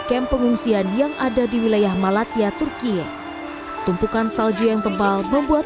kemp pengungsian yang ada di wilayah malatya turkiye tumpukan salju yang tebal membuat